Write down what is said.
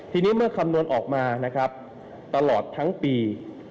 ทีนี้เมื่อคำนวณออกมานะครับตลอดทั้งปี